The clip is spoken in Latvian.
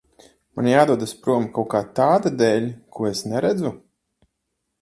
Man jādodas prom kaut kā tāda dēļ, ko es neredzu?